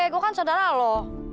gue kan saudara lo